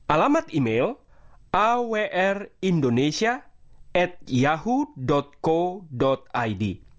alamat email awrindonesia yahoo co id